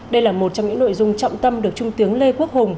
đây là một trong những nội dung trọng tâm được trung tướng lê quốc hùng